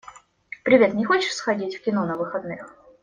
Привет, не хочешь сходить в кино на выходных?